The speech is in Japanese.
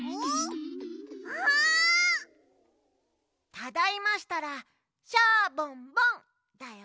ただいましたら「シャボンボン」だよ。